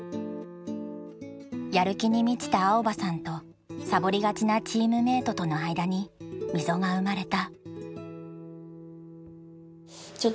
やる気に満ちた蒼葉さんとさぼりがちなチームメートとの間に溝が生まれた。